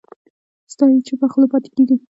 ستایي یې چوپه خوله پاتې کېږي